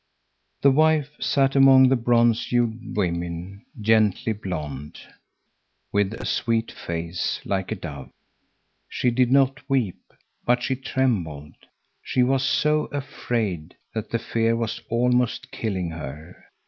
The wife sat among the bronze hued women, gently blonde, with a sweet face like a dove. She did not weep, but she trembled. She was so afraid, that the fear was almost killing her.